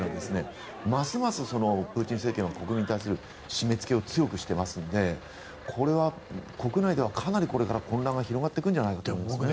ますますプーチン政権国民に対する締めつけを強くしていますのでこれは国内ではかなりこれから混乱が広がっていくんじゃないかと。